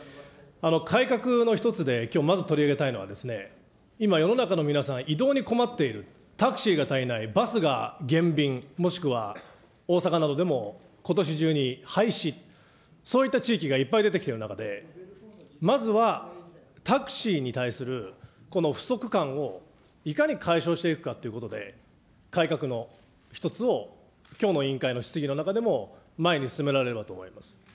改革の一つで、きょうまず取り上げたいのはですね、今、世の中の皆さん、移動に困っている、タクシーが足りない、バスが減便、もしくは大阪などでもことし中に廃止、そういった地域がいっぱい出てきている中で、まずはタクシーに対するこの不足感をいかに解消していくかということで、改革の１つをきょうの委員会の質疑の中でも前に進められればと思います。